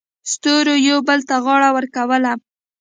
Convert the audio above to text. ستورو یو بل ته غاړه ورکوله.